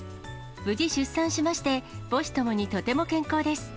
無事出産しまして、母子共にとても健康です。